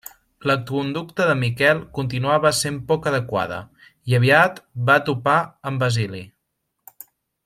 La conducta de Miquel continuava sent poc adequada i aviat va topar amb Basili.